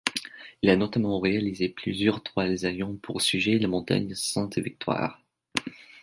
Il a notamment réalisé plusieurs toiles ayant pour sujet la montagne Sainte-Victoire.